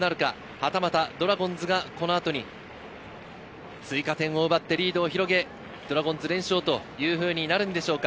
はたまたドラゴンズがこの後に追加点を奪ってリードを広げ、ドラゴンズ連勝というふうになるんでしょうか。